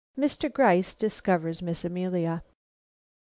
MR. GRYCE DISCOVERS MISS AMELIA.